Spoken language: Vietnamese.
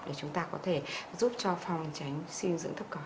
để chúng ta có thể giúp cho phòng tránh suy dưỡng thấp còi